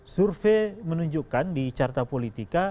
survei menunjukkan di carta politika